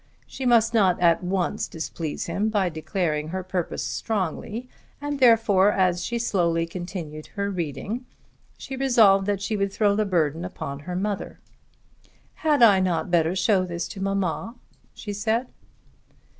She must not at once displease him by declaring her purpose strongly, and therefore, as she slowly continued her reading, she resolved that she would throw the burden upon her mother. "Had I not better show this to mamma?" she said.